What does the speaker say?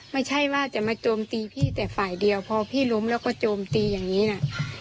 ไม่ใช่ว่าจะมาโจมตีพี่แต่ฝ่ายเดียวพอพี่ล้มแล้วก็โจมตีอย่างนี้นะ